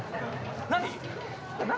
何？